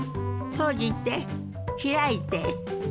閉じて開いて。